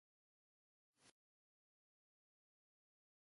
千葉県長生村